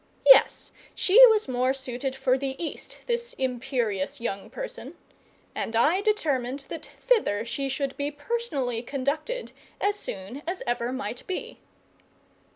Yes, she was more suited for the East, this imperious young person; and I determined that thither she should be personally conducted as soon as ever might be.